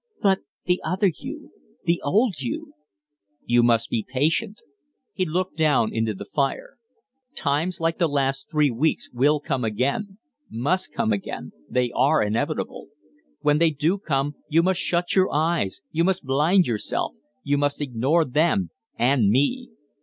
"But the other you the old you?" "You must be patient." He looked down into the fire. "Times like the last three weeks will come again must come again; they are inevitable. When they do come, you must shut your eyes you must blind yourself. You must ignore them and me.